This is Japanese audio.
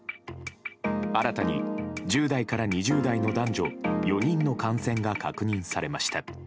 新たに１０代から２０代の男女４人の感染が確認されました。